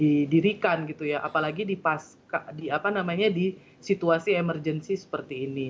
didirikan gitu ya apalagi di situasi emergency seperti ini